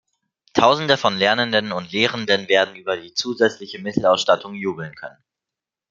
Tausende von Lernenden und Lehrenden werden über die zusätzliche Mittelausstattung jubeln können.